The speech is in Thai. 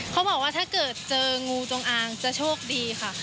เขาบอกว่าถ้าเกิดเจองูจงอางจะโชคดีค่ะ